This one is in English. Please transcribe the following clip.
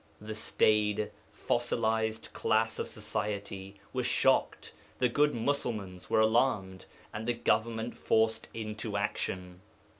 _ The staid, fossilized class of society were shocked, the good Mussulmans were alarmed, and the Government forced into action.